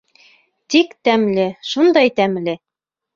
Тик тәмле, шундай тәмле.